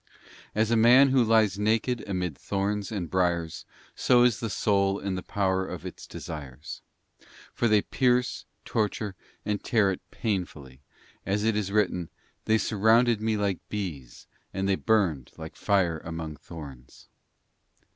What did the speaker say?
* As a man who lies naked amid thorns and briars, so is the soul in the _ power of its desires; for they pierce, torture, and tear it pain fully, as it is written, 'They surrounded me like bees, and they burned like fire among thorns.